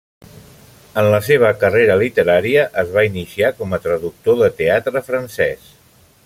En la seva carrera literària es va iniciar com a traductor de teatre francès.